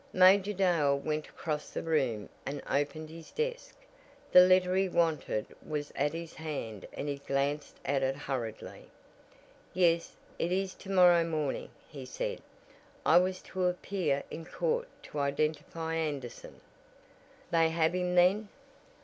Major Dale went across the room and opened his desk. The letter he wanted was at his hand and he glanced at it hurriedly. "Yes, it is to morrow morning," he said. "I was to appear in court to identify Anderson." "They have him then?"